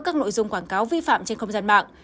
các nội dung quảng cáo vi phạm trên không gian mạng